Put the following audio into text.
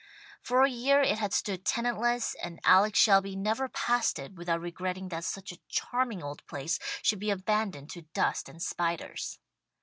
For a year it had stood tenant less, and Alex Shelby never passed it without regretting that such a charming old place should be abandoned to dust and spiders.